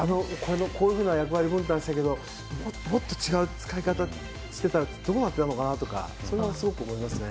こういう役割分担をしたけどもっと違う使い方をしてたらどうなっていたのかなとかそれはすごく思いますね。